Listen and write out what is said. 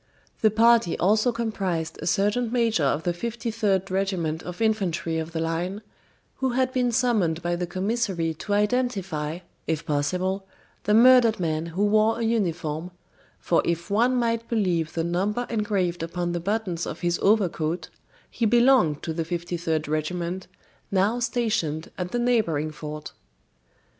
The party also comprised a sergeant major of the 53d regiment of infantry of the line, who had been summoned by the commissary to identify, if possible, the murdered man who wore a uniform, for if one might believe the number engraved upon the buttons of his overcoat, he belonged to the 53d regiment, now stationed at the neighboring fort.